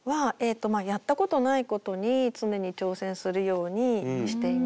やったことないことに常に挑戦するようにしています。